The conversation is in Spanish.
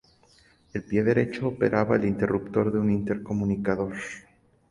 El pie derecho operaba el interruptor de un intercomunicador.